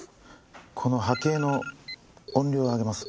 この波形の音量を上げます。